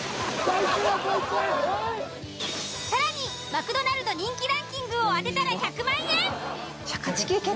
更にマクドナルド人気ランキングを当てたら１００万円。